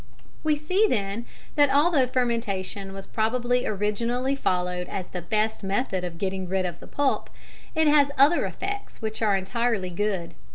We see, then, that although fermentation was probably originally followed as the best method of getting rid of the pulp, it has other effects which are entirely good.